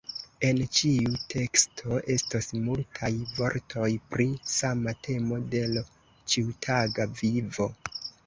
En ĉiu teksto estos multaj vortoj pri sama temo de l' ĉiutaga vivo.